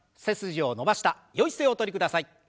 背筋を伸ばしたよい姿勢おとりください。